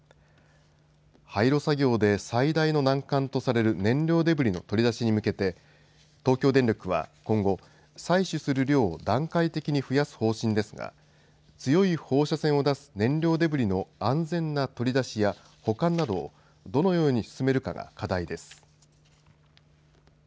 廃炉作業で最大の難関とされる「燃料デブリ」取り出しに向けて東京電力は今後採取する量を段階的に増やす方針ですが強い放射線を出す「燃料デブリ」の安全な取り出しや保管などをどのように進めるかが課題です。